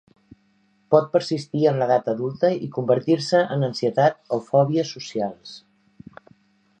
Pot persistir en l'edat adulta i convertir-se en ansietat o fòbia socials.